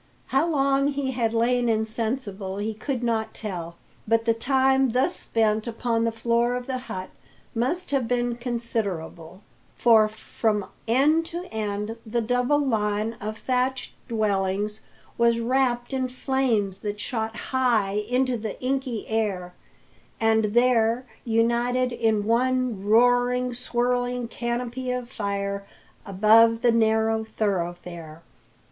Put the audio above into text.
How long he had lain insensible he could not tell; but the time thus spent upon the floor of the hut must have been considerable, for from end to end the double line of thatched dwellings was wrapped in flames that shot high into the inky air, and there united in one roaring, swirling canopy of fire above the narrow thoroughfare.